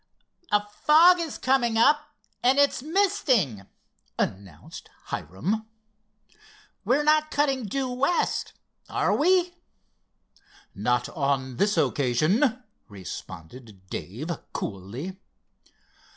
"A fog is coming up, and it's misting," announced Hiram. "We're not cutting due west, are we?" "Not on this occasion," responded Dave coolly.